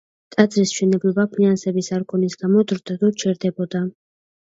ტაძრის მშენებლობა ფინანსების არქონის გამო დროდადრო ჩერდებოდა.